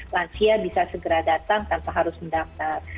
lansia bisa segera datang tanpa harus mendaftar